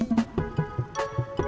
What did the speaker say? tidak ada apa apa